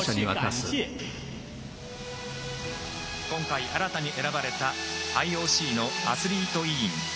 今回、新たに選ばれたＩＯＣのアスリート委員。